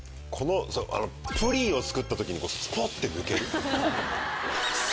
プリンを作ったときにスポッて抜ける。